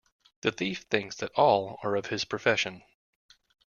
The thief thinks that all are of his profession.